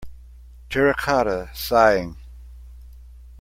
Terracotta Sighing.